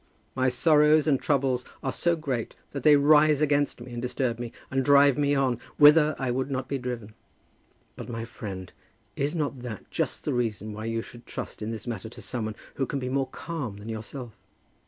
My sorrows and troubles are so great that they rise against me and disturb me, and drive me on, whither I would not be driven." "But, my friend, is not that just the reason why you should trust in this matter to some one who can be more calm than yourself?"